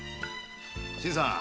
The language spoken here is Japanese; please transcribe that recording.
新さん。